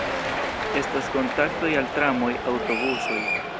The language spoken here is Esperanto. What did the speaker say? Estas kontaktoj al tramoj, aŭtobusoj.